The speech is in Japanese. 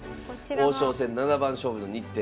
王将戦七番勝負の日程